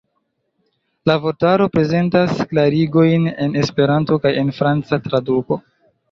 La vortaro prezentas klarigojn en Esperanto kaj en franca traduko.